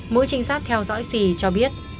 mỗi trinh sát theo dõi xi cho biết